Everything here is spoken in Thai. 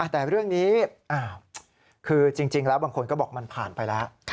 แต่เรื่องนี้คือจริงแล้วบางคนก็บอกมันผ่านไปแล้ว